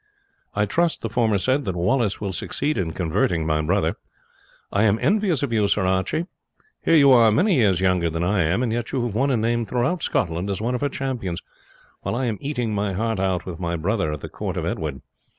"I trust," the former said, "that Wallace will succeed in converting my brother. I am envious of you, Sir Archie. Here are you, many years younger than I am, and yet you have won a name throughout Scotland as one of her champions; while I am eating my heart out, with my brother, at the court of Edward."